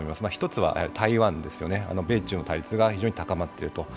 １つは台湾ですよね、米中の対立が非常に高まっていると。